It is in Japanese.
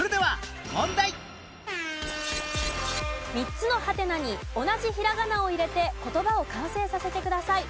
３つのハテナに同じひらがなを入れて言葉を完成させてください。